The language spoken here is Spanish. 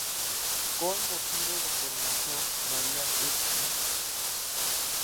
Con motivo de la Coronación, María Stma.